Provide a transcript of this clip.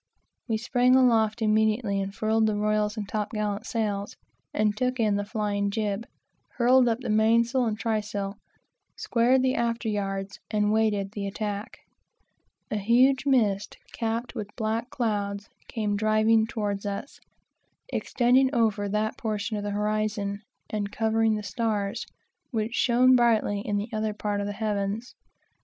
We sprang aloft immediately and furled the royals and top gallant sails, and took in the flying jib, hauled up the mainsail and trysail, squared the after yards, and awaited the attack. A huge mist capped with black clouds came driving towards us, extending over that quarter of the horizon, and covering the stars, which shone brightly in the other part of the heavens.